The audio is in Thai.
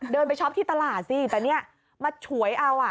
เดินไปช็อปที่ตลาดสิแต่เนี่ยมาฉวยเอา